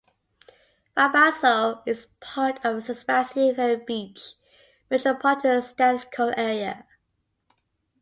Wabasso is part of the Sebastian-Vero Beach Metropolitan Statistical Area.